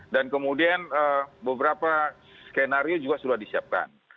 dan kemudian beberapa skenario juga sudah disiapkan